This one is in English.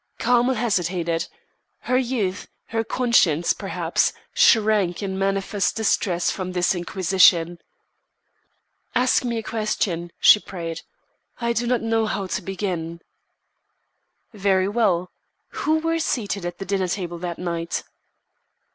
Carmel hesitated. Her youth her conscience, perhaps shrank in manifest distress from this inquisition. "Ask me a question," she prayed. "I do not know how to begin." "Very well. Who were seated at the dinner table that night?"